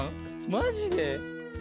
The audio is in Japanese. マジで？